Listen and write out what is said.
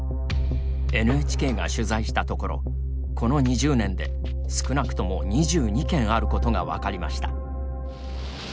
ＮＨＫが取材したところこの２０年で、少なくとも２２件あることがありました。